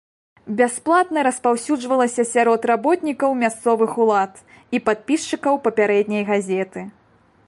Бясплатна распаўсюджвалася сярод работнікаў мясцовых улад і падпісчыкаў папярэдняй газеты.